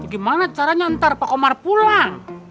gimana caranya ntar pak komar pulang